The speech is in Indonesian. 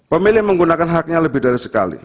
pemilih menggunakan haknya lebih dari sekali